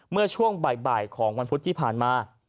เมื่อช่วงบ่ายของวันพุธที่ผ่านมา